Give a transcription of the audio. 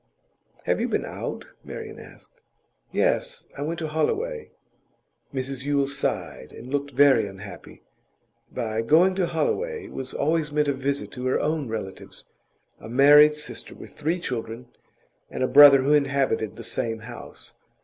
'Have you been out?' Marian asked. 'Yes; I went to Holloway.' Mrs Yule sighed and looked very unhappy. By 'going to Holloway' was always meant a visit to her own relatives a married sister with three children, and a brother who inhabited the same house.